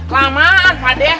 lamaan pak de